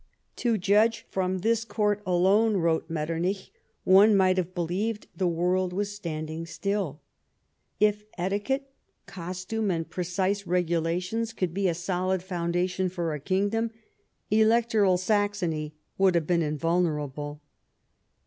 " To judge from this Court alone," wrote Metternich, " one might have believed the world was standing still." " If etiquette, costume and precise iregulations, could be a solid foundation for a kingdom, Electoral Saxony would have been invulnerable."